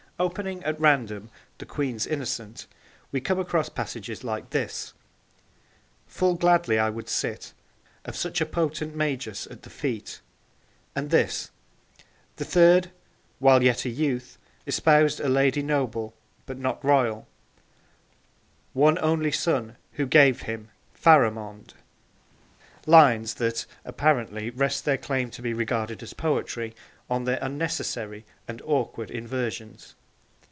Opening at random The Queens Innocent we come across passages like this: Full gladly would I sit Of such a potent magus at the feet, and this: The third, while yet a youth, Espoused a lady noble but not royal, One only son who gave him Pharamond lines that, apparently, rest their claim to be regarded as poetry on their unnecessary and awkward inversions.